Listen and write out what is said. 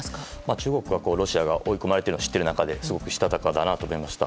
中国はロシアが追い込まれているのを知っている中ですごくしたたかだなと思いました。